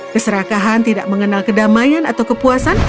keserakahan tidak mengenal kedamaian atau kepuasan